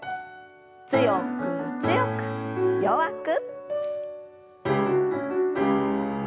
強く強く弱く。